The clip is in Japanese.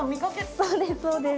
そうですそうです。